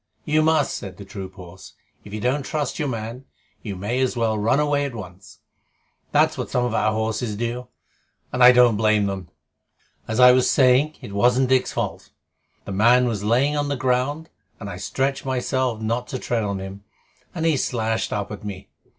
"You must," said the troop horse. "If you don't trust your man, you may as well run away at once. That's what some of our horses do, and I don't blame them. As I was saying, it wasn't Dick's fault. The man was lying on the ground, and I stretched myself not to tread on him, and he slashed up at me.